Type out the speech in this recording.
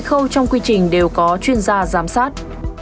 khâu trong quy trình đều có chuyên gia giám sát